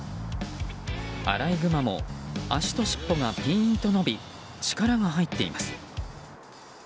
アライグマも足としっぽがピーンと伸び力が入っています。